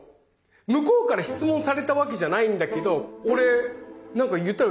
向こうから質問されたわけじゃないんだけど俺貯金額とか言ってる。